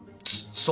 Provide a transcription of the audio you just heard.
そう。